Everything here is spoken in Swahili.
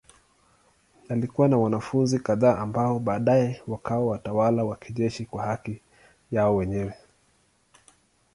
Alikuwa na wanafunzi kadhaa ambao baadaye wakawa watawala wa kijeshi kwa haki yao wenyewe.